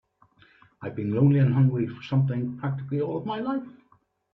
I've been lonely and hungry for something practically all my life.